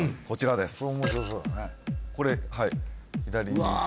こちらですうわ